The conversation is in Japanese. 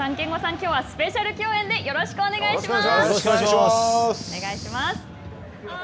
きょうはスペシャル共演でよろしくお願いします。